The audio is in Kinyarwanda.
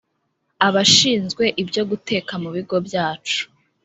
Abashinzwe ibyo guteka mu bigo byacu